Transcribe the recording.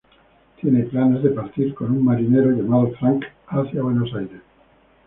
Tiene planes de partir con un marinero llamado Frank hacia Buenos Aires.